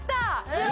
えっ？